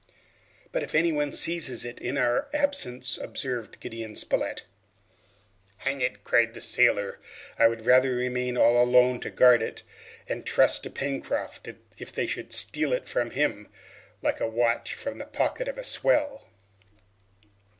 "But if anyone seizes it in our absence?" observed Gideon Spilett. "Hang it!" cried the sailor. "I would rather remain all alone to guard it: and trust to Pencroft, they shouldn't steal it from him, like a watch from the pocket of a swell!"